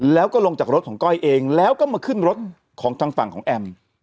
แล้วก็ลงจากรถของก้อยเองแล้วก็มาขึ้นรถของทางฝั่งของแอม